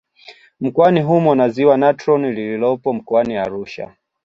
Mkoani humo na Ziwa Natron lililopo Mkoani Arusha